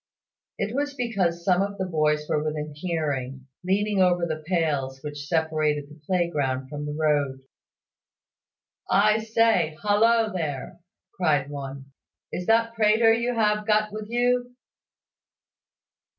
It was because some of the boys were within hearing, leaning over the pales which separated the playground from the road. "I say; hollo there!" cried one. "Is that Prater you have got with you?"